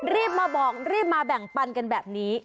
รีบมาบอกรีบมาแบ่งปันกันแบบนี้